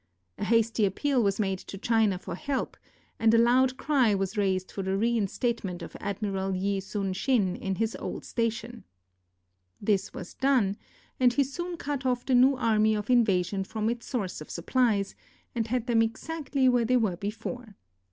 A hasty appeal was made to China for help, and a loud cry was raised for the reinstatement of Ad miral Yi Sun sin in his old station. This was done, and he soon cut off the new army of invasion from its source of supplies, and had them exactly where they were be fore.